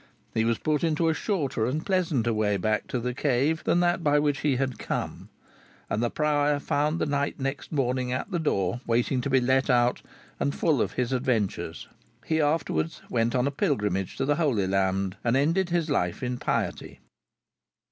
He was put into a shorter and pleasanter way back to the cave than that by which he had come; and the prior found the knight next morning at the door, waiting to be let out, and full of his adventures. He afterwards went on a pilgrimage to the Holy Land, and ended his life in piety....